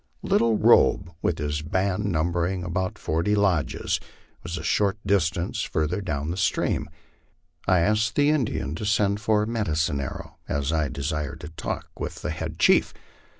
Little Robe, with his band number ing about forty lodges, was a short distance further down the stream. I asked the Indian to send for Medicine Arrow, as I desired to talk with the head chief.